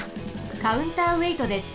カウンターウェイトです。